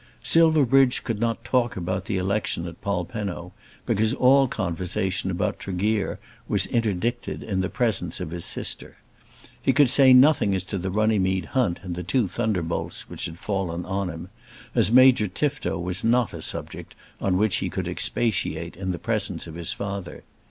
Silverbridge could not talk about the election at Polpenno because all conversation about Tregear was interdicted in the presence of his sister. He could say nothing as to the Runnymede hunt and the two thunderbolts which had fallen on him, as Major Tifto was not a subject on which he could expatiate in the presence of his father.